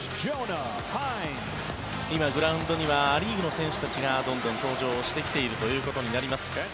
今、グラウンドにはア・リーグの選手たちがどんどん登場してきているということになります。